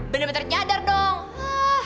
bener bener nyadar dong